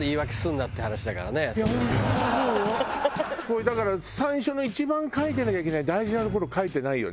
これだから最初の一番書いてなきゃいけない大事なところ書いてないよね。